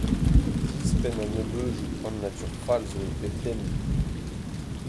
Dispenn a-nebeudoù an natur fall zo e pep den.